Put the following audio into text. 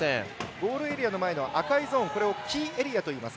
ゴールエリア前の赤いゾーンをキーエリアといいます。